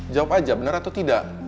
jawab aja benar atau tidak